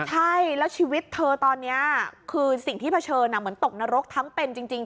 ใช่แล้วชีวิตเธอตอนนี้คือสิ่งที่เผชิญเหมือนตกนรกทั้งเป็นจริง